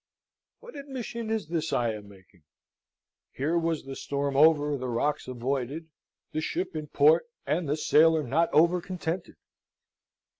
What admission is this I am making? Here was the storm over, the rocks avoided, the ship in port and the sailor not overcontented?